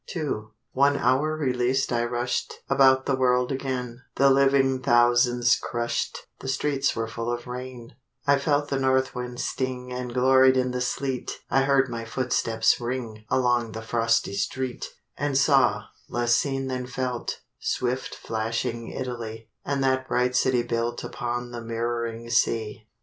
II One hour released I rusht About the world again; The living thousands crusht; The streets were full of rain; I felt the north wind sting And glory'd in the sleet; I heard my footsteps ring Along the frosty street; And saw—less seen than felt— Swift flashing Italy, And that bright city built Upon the mirroring Sea.